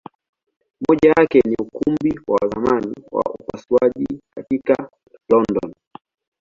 Moja yake ni Ukumbi wa zamani wa upasuaji katika London.